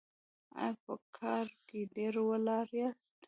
ایا په کار کې ډیر ولاړ یاست؟